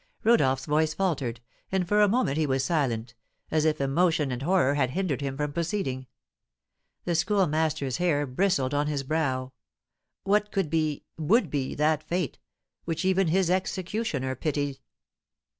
Rodolph's voice faltered, and for a moment he was silent, as if emotion and horror had hindered him from proceeding. The Schoolmaster's hair bristled on his brow. What could be would be that fate, which even his executioner pitied?